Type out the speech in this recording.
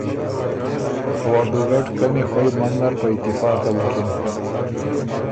او ا دُوګډ قمی خوئ منځ نر په اتفاقه بُکن